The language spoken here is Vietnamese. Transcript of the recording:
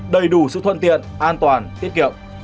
đầy đủ sự thuân tiện an toàn tiết kiệm